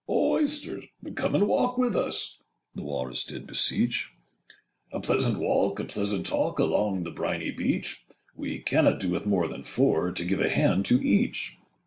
'O Oysters, come and walk with us!' Â Â Â Â The Walrus did beseech. 'A pleasant walk, a pleasant talk, Â Â Â Â Along the briny beach: We cannot do with more than four, Â Â Â Â To give a hand to each.